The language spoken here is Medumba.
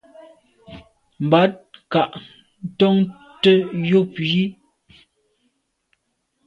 Mbat nka’ tonte yub yi.